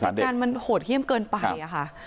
ผลักงานมันโหดเขี้ยมเกินไป